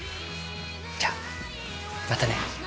じゃあまたね。